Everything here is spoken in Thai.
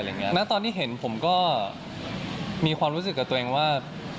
แล้วตอนที่เห็นผมก็มีความรู้สึกกับตัวเองว่า